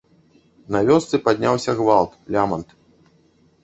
На вёсцы падняўся гвалт, лямант.